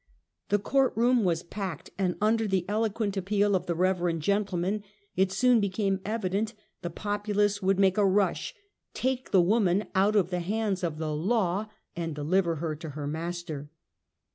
The court room was packed, and under the eloquent appeal of the reverend gentleman, it soon became evident the populace would make a rush, take the woman out of the hands of the law, and deliver her to the master.